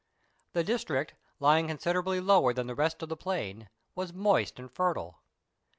The district, lying consi derably lower than the rest of the plain, was moist and fer tile.